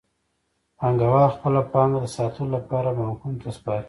پانګوال خپله پانګه د ساتلو لپاره بانکونو ته سپاري